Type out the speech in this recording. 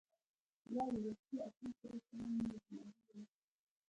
وايي رسول اکرم ص يې جنازه ونه کړه.